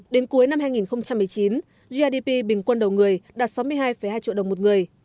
đến cuối năm hai nghìn một mươi chín grdp bình quân đầu người đạt sáu mươi hai hai triệu đồng một người